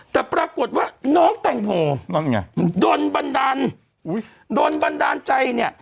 แต่ปรากฏว่าน้องแตงโมนั่นไงโดนบันดาลโดนบันดาลใจเนี่ย